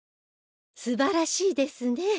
素晴らしいですね。